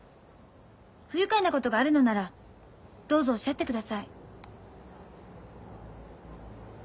不愉快なことがあるのならどうぞおっしゃってください。